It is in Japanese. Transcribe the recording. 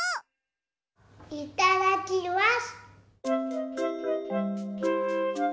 いただきます！